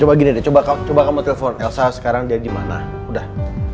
coba gini deh coba kamu telpon elsa sekarang dia gimana udah